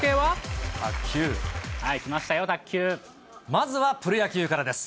まずはプロ野球からです。